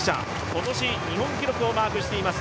今年日本記録をマークしています。